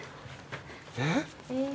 えっ？